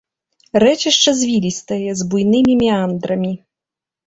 Рэчышча звілістае, з буйнымі меандрамі.